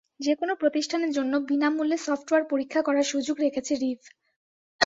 যেকোনো প্রতিষ্ঠানের জন্য বিনা মূল্যে সফটওয়্যার পরীক্ষা করার সুযোগ রেখেছে রিভ।